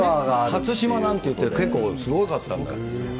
初島なんて、結構、すごかったんだよ。